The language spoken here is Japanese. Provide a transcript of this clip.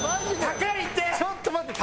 高いって！